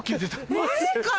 マジかよ！